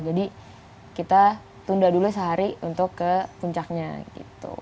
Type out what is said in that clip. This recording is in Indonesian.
kita tunda dulu sehari untuk ke puncaknya gitu